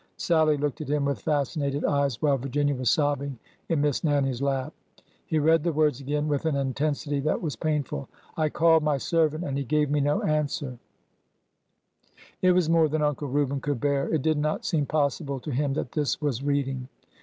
Sallie looked at him with fascinated eyes, while Virginia was sobbing in Miss Nannie's lap. He read the words again with an intensity that was painful. I called my servant, and he gave me no answer—" It was more than Uncle Reuben could bear. It did not seem possible to him that this was reading.